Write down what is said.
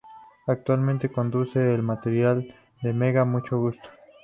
Actualmente conduce el matinal de Mega "Mucho gusto".